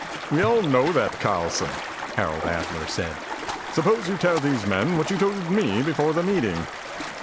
"We know all that, Carlson," Harold Adler said. "Suppose you tell these men what you told me before the meeting."